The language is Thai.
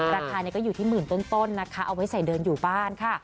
ราคานี้ก็อยู่ที่หมื่นต้นนะคะเอาไว้ใส่เดินอยู่บ้านค่ะ